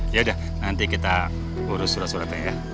yaudah nanti kita urus surat suratnya ya